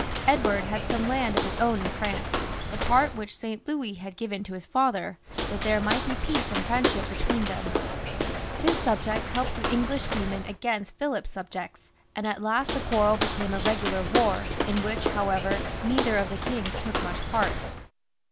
Edward had some land of his own in France, the part which St. Louis had given to his father, that there might be peace and friendship between them. His subjects helped the English seamen against Philip's subjects, and at last the quarrel became a regular war, in which, how 132 PHILIP IV. (LE BEL). [CH. ever, neither of the kings took much part.